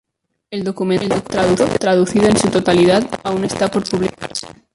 El documento, traducido en su totalidad, aún está por publicarse.